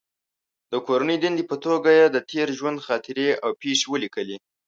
د کورنۍ دندې په توګه یې د تېر ژوند خاطرې او پېښې ولیکلې.